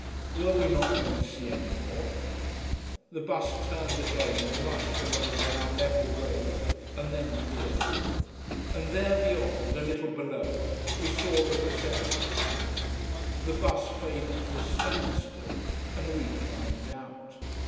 Were we not going to see any more? The bus turned again and rushed along the now level road and then veered. And there beyond, a little below, we saw the procession coming. The bus faded to a standstill, and we climbed out.